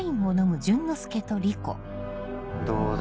どうだ？